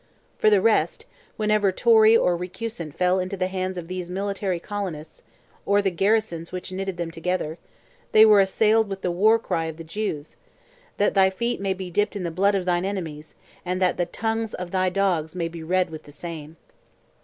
For the rest, whenever "Tory" or recusant fell into the hands of these military colonists, or the garrisons which knitted them together, they were assailed with the war cry of the Jews—"That thy feet may be dipped in the blood of thine enemies, and that the tongues of thy dogs may be red with the same."